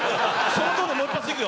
そのトーンでもう一発いくよ。